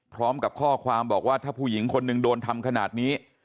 พร้อมกับข้อความบอกว่าถ้าผู้หญิงคนหนึ่งโดนทำขนาดนี้